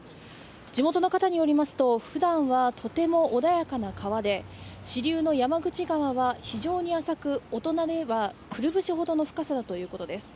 地元の方によりますと、ふだんはとても穏やかな川で、支流の川は非常に浅く大人ではくるぶしほどの深さだということです。